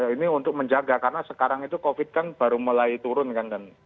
ini untuk menjaga karena sekarang itu covid kan baru mulai turun kan